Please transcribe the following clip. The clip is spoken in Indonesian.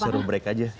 suruh break aja